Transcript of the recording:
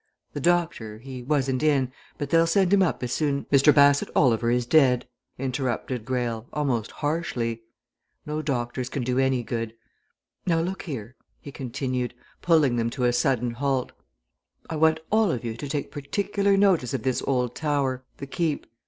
The doctor, he wasn't in, but they'll send him up as soon " "Mr. Bassett Oliver is dead," interrupted Greyle, almost harshly. "No doctors can do any good. Now, look here," he continued, pulling them to a sudden halt, "I want all of you to take particular notice of this old tower the Keep.